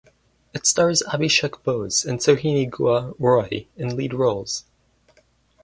It stars Abhishek Bose and Sohini Guha Roy in lead roles.